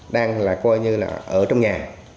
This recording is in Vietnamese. đang ở trong nhà